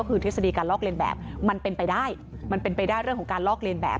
ก็คือทฤษฎีการลอกเลียนแบบมันเป็นไปได้มันเป็นไปได้เรื่องของการลอกเลียนแบบ